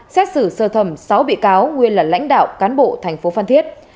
xét xử sơ thẩm sáu bị cáo nguyên là lãnh đạo cán bộ thành phố phan thiết